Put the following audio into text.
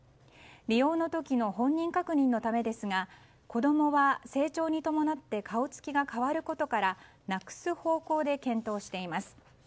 利用の時の本人確認のためですが子供は成長に伴って顔つきが変わることからなくす方向で検討しています。